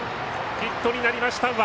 ヒットになりました。